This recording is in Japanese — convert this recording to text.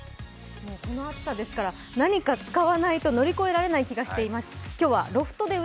この暑さですから何か使わないと乗り越えられない気がしています。